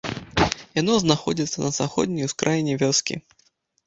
Яно знаходзіцца на заходняй ускраіне вёскі.